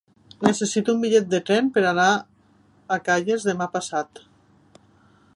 Necessito un bitllet de tren per anar a Calles demà passat.